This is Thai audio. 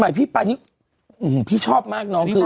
พี่ไปนี่พี่ชอบมากน้องคือ